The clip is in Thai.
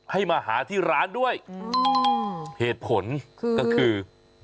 ให้มาหาที่ร้านด้วยเหตุผลก็คือ